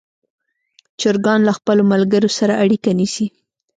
چرګان له خپلو ملګرو سره اړیکه نیسي.